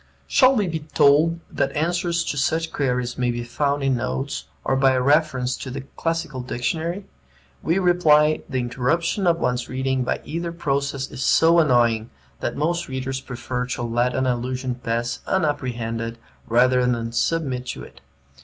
Shall we be told that answers to such queries may be found in notes, or by a reference to the Classical Dictionary? We reply, the interruption of one's reading by either process is so annoying that most readers prefer to let an allusion pass unapprehended rather than submit to it.